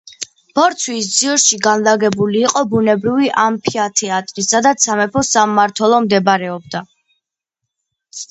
ბორცვის ძირში განლაგებული იყო ბუნებრივი ამფითეატრი, სადაც სამეფო სამმართველო მდებარეობდა.